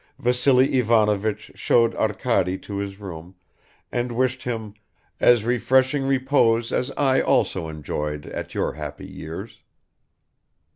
Vassily Ivanovich showed Arkady to his room and wished him "as refreshing repose as I also enjoyed at your happy years."